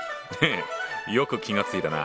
よく気がついたな。